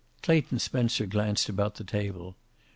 Clayton Spencer glanced about the table.